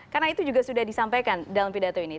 karena itu juga sudah disampaikan dalam pidato ini